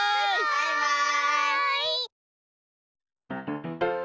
バイバイ！